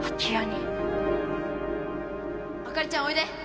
朱莉ちゃんおいで。